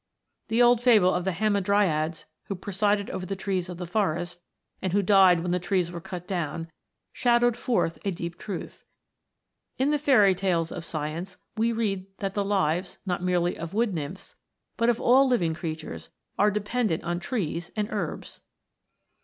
The old fable of the Hamadryads who presided over the trees of the forest, and who died when the trees were cut down, shadowed forth a deep truth. In the fairy tales of science we read that the lives, not merely of wood nymphs, but of all living crea tures, are dependent on trees and herbs